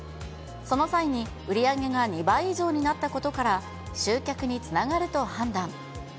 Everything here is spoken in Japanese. その際に、売り上げが２倍以上になったことから、集客につながると判断。